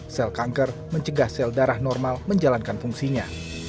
sel kanker mencegah sel darah normal menjalankan fungsinya